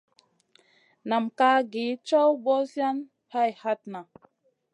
Nam ká gi caw ɓosiyona hay hatna.